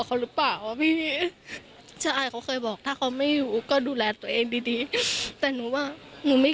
เขาหรือเปล่าว่าพี่ใช่เขาเคยบอกถ้าเขาไม่อยู่ก็ดูแลตัวเองดีดีแต่หนูว่าหนูไม่